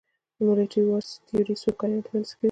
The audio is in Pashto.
د ملټي ورس تیوري څو کائنات وړاندیز کوي.